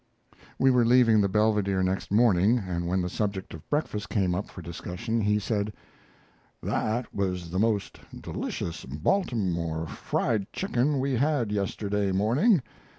We were leaving the Belvedere next morning, and when the subject of breakfast came up for discussion he said: "That was the most delicious Baltimore fried chicken we had yesterday morning.